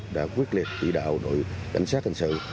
đã quyết liệt tỷ đạo đội cảnh sát hành sự